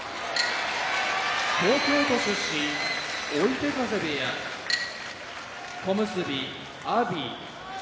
東京都出身追手風部屋小結・阿炎